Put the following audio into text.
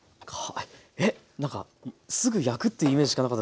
ええっなんかすぐ焼くというイメージしかなかった。